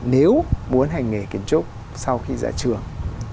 nếu muốn hành nghề kiến trúc sau khi ra trường